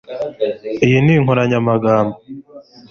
Iyi ni inkoranyamagambo